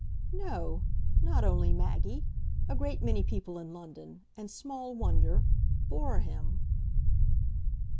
"No not only Maggie. A great many people in London and small wonder! bore him."